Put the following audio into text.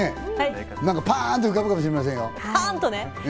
パンと浮かぶかもしれませんよ。